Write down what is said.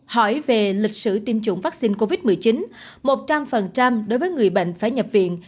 hỏi về lịch sử tiêm chủng vaccine covid một mươi chín một trăm linh đối với người bệnh phải nhập viện